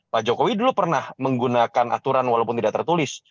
pak jokowi dulu pernah menggunakan aturan walaupun tidak tertulis